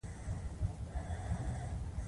دلته د اسمي او واقعي مزد په اړه معلومات وړاندې کوو